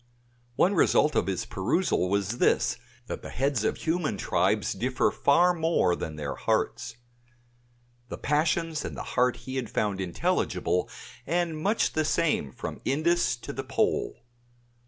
One result of his perusal was this, that the heads of human tribes differ far more than their hearts. The passions and the heart he had found intelligible and much the same from Indus to the Pole.